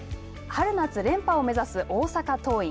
春夏連覇を目指す大阪桐蔭。